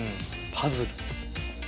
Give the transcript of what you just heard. パズル。